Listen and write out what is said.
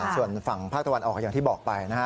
ส่วนฝั่งภาคตะวันออกอย่างที่บอกไปนะฮะ